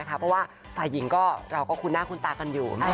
เพราะว่าฝ่ายหญิงเราก็คุ้นหน้าคุ้นตากันอยู่